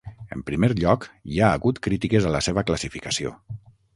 En primer lloc, hi ha hagut crítiques a la seva classificació.